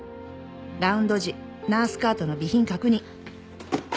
「ラウンド時ナースカートの備品確認！！」